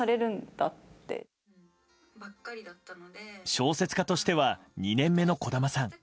小説家としては２年目の児玉さん。